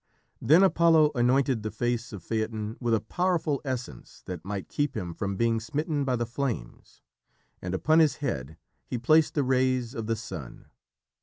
Then Apollo anointed the face of Phaeton with a powerful essence that might keep him from being smitten by the flames, and upon his head he placed the rays of the sun.